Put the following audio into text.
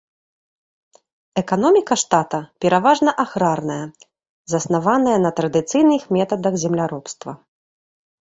Эканоміка штата пераважна аграрная, заснаваная на традыцыйных метадах земляробства.